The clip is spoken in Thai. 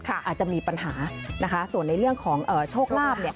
อาจจะมีปัญหานะคะส่วนในเรื่องของโชคลาภ